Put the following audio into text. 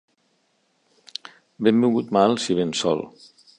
Benvingut mal, si vens sol.